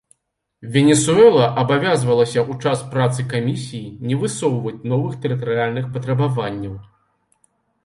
Венесуэла абавязвалася ў час працы камісіі не высоўваць новых тэрытарыяльных патрабаванняў.